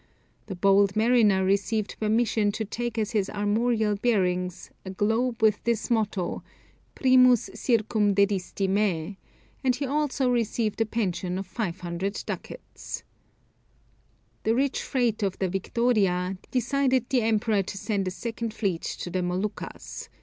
The bold mariner received permission to take as his armorial bearings, a globe with this motto, Primus circumdedisti me, and he also received a pension of 500 ducats. The rich freight of the Victoria, decided the Emperor to send a second fleet to the Moluccas.